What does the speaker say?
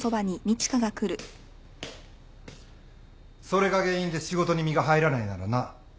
それが原因で仕事に身が入らないならな。